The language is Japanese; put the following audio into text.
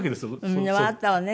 みんな笑ったわね。